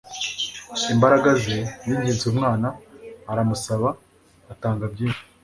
imbaraga ze. yinginze umwana aramusaba, atanga byinshi